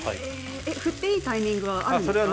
振っていいタイミングはあるんですか？